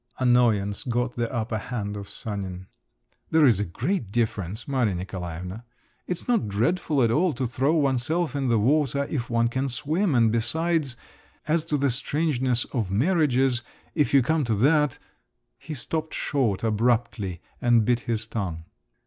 Annoyance got the upper hand of Sanin. "There's a great difference, Maria Nikolaevna! It's not dreadful at all to throw oneself in the water if one can swim; and besides … as to the strangeness of marriages, if you come to that …" He stopped short abruptly and bit his tongue.